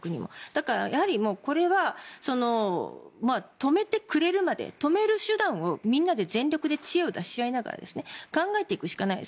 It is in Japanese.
だから、これは止めてくれるまで、止める手段をみんなで全力で知恵を出しながら考えていくしかない。